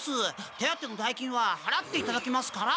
手当ての代金ははらっていただきますから。